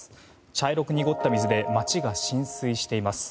茶色く濁った水で町が浸水しています。